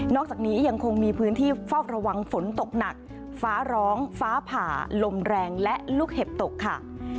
อกจากนี้ยังคงมีพื้นที่เฝ้าระวังฝนตกหนักฟ้าร้องฟ้าผ่าลมแรงและลูกเห็บตกค่ะ